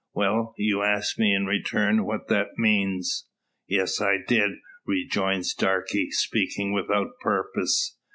Well; you asked me in return what that means?" "Yes, I did," rejoins Darke, speaking without purpose.